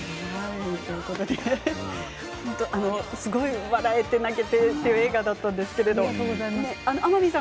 すごい笑えて泣けてという映画だったんですけれど天海さん